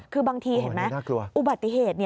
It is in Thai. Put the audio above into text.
คือบางทีเห็นไหมอุบัติเหตุ